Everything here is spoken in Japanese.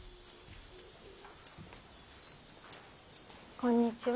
こんにちは。